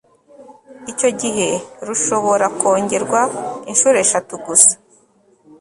icyo gihe rushobora kwongerwa inshuro eshatu gusa